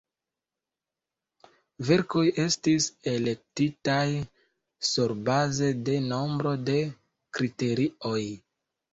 Verkoj estis elektitaj surbaze de nombro de kriterioj.